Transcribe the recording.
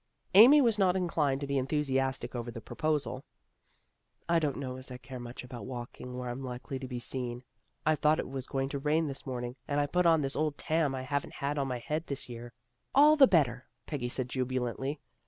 Amy was not inclined to be enthusiastic over the proposal. " I don't know as I care much about walking where I'm likely to be seen. I thought it was going to rain this morning, and I put on this old tarn I haven't had on my head this year." " All the better," Peggy said jubilantly.